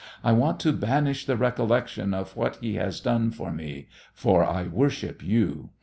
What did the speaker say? I want to banish the recollection of what he has done for me, for I worship you.